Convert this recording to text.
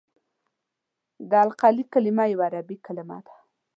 د القلي کلمه یوه عربي کلمه ده.